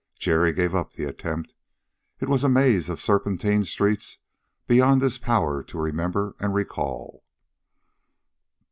Jerry gave up the attempt. It was a maze of serpentine streets beyond his power to remember and recall.